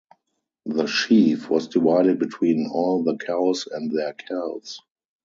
The sheaf was divided between all the cows and their calves.